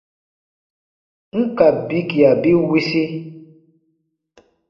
N ka bikia bi wisi,